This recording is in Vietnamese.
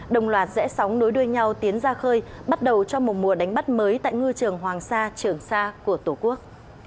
đồng loạt rẽ sóng nối đuôi nhau tiến ra khơi bắt đầu cho một mùa đánh bắt mới tại ngư trường hoàng sa trường sa của tổ quốc